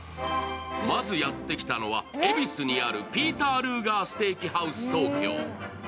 まずやってきのは恵比寿にあるピーター・ルーガー・ステーキハウス東京。